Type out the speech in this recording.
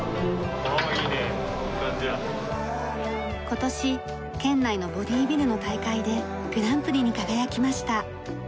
今年県内のボディビルの大会でグランプリに輝きました。